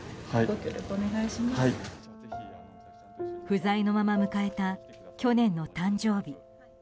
不在のまま迎えた去年の誕生日。